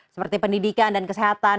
seperti pendidikan dan kesehatan